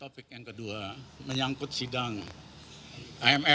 topik yang kedua menyangkut sidang imf bank dunia jokowi dan sby